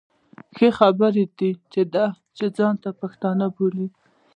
خو ښه خبره دا ده چې ځانونه پښتانه بولي.